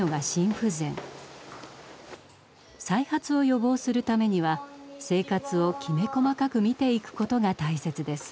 再発を予防するためには生活をきめ細かく見ていくことが大切です。